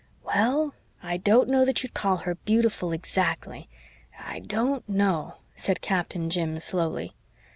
"Well, I don't know that you'd call her beautiful exactly I don't know," said Captain Jim slowly.